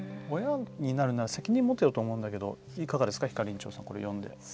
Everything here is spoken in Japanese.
親になるなら責任を持てよと思うんですけどいかがですかひかりんちょさんはこれを読んで。